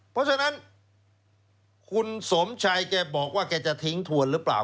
เพราะฉะนั้นคุณสมชัยแกบอกว่าแกจะทิ้งถวนหรือเปล่า